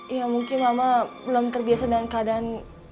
ya mungkin mama belum terbiasa dengan keadaan